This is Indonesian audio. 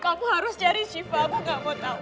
kamu harus cari shiva aku gak mau tahu